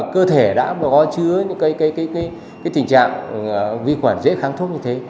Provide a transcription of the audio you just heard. cơ thể đã có chứa những tình trạng vi khuẩn dễ kháng thuốc như thế